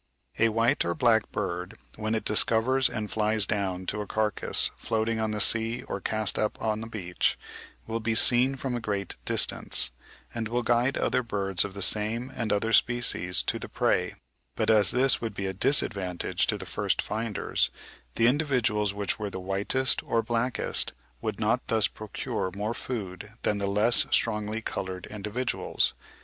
A white or black bird when it discovers and flies down to a carcase floating on the sea or cast up on the beach, will be seen from a great distance, and will guide other birds of the same and other species, to the prey; but as this would be a disadvantage to the first finders, the individuals which were the whitest or blackest would not thus procure more food than the less strongly coloured individuals.